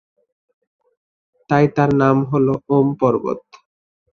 তাই তার নাম ‘ওম্’ পর্বত।